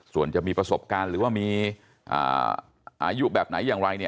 ส่วนจะมีประสบการณ์หรือว่ามีอายุแบบไหนอย่างไรเนี่ย